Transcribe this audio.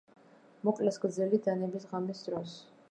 მოკლეს გრძელი დანების ღამის დროს.